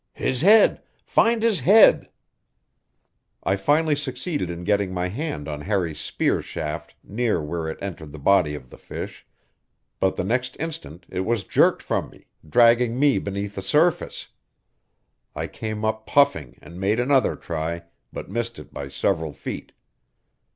"His head! Find his head!" I finally succeeded in getting my hand on Harry's spear shaft near where it entered the body of the fish; but the next instant it was jerked from me, dragging me beneath the surface. I came up puffing and made another try, but missed it by several feet.